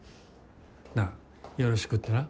なあよろしくってな。